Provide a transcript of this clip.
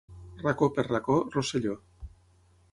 Racó per racó, Rosselló.